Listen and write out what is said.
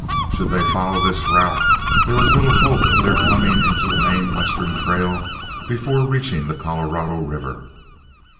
Should they follow this route there was little hope of their coming into the main western trail before reaching the Colorado River.